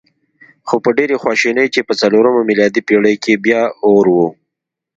خو په ډېرې خواشینۍ چې په څلورمه میلادي پېړۍ کې بیا اور و.